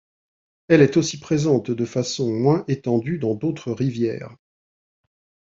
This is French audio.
Elle est aussi présente de façon moins étendue dans d'autres rivières.